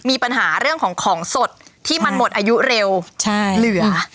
มีปัญหาเรื่องของของสดที่มันหมดอายุเร็วเหลือ